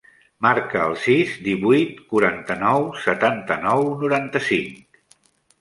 Marca el sis, divuit, quaranta-nou, setanta-nou, noranta-cinc.